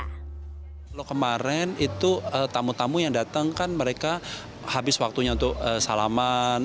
kalau kemarin itu tamu tamu yang datang kan mereka habis waktunya untuk salaman